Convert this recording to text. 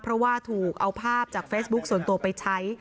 เพราะว่าถูกเอาภาพจากเฟซบุ๊คส่วนตัวไปใช้